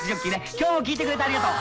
今日も聴いてくれてありがとう。